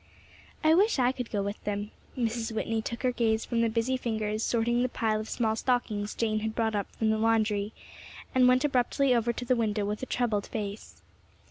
"I wish I could go with them." Mrs. Whitney took her gaze from the busy fingers sorting the pile of small stockings Jane had brought up from the laundry, and went abruptly over to the window with a troubled face.